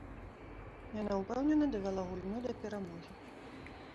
Яна ўпэўнена давяла гульню да перамогі.